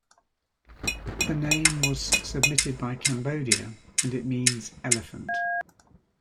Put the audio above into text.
The name was submitted by Cambodia, and it means elephant.